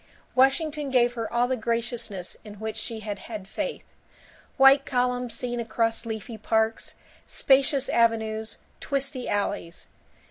II Washington gave her all the graciousness in which she had had faith: white columns seen across leafy parks, spacious avenues, twisty alleys.